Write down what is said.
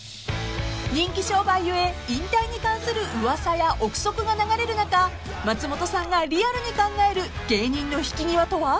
［人気商売故引退に関する噂や臆測が流れる中松本さんがリアルに考える芸人の引き際とは？］